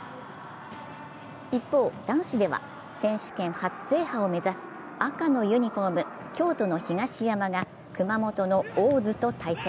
一方、男子では、選手権初制覇を目指す赤のユニフォーム、京都の東山が熊本の大津と対戦。